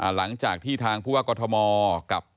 หลังจากที่ทางผู้ว่ากอทมกับ